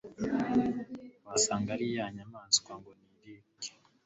Wasanga ari ya nyamaswa ngo ni Rick